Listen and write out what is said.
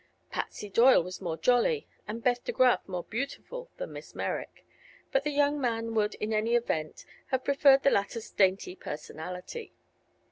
Patsy Doyle was more jolly and Beth De Graf more beautiful than Miss Merrick; but the young man would in any event have preferred the latter's dainty personality.